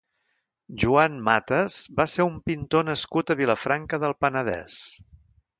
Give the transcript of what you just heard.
Joan Mates va ser un pintor nascut a Vilafranca del Penedès.